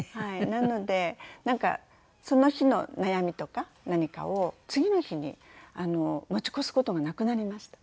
なのでなんかその日の悩みとか何かを次の日に持ち越す事がなくなりました。